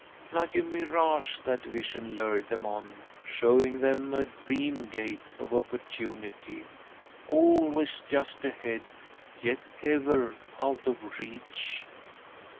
Like a mirage that vision lured them on, showing them a dream gate of opportunity, always just ahead, yet ever out of reach.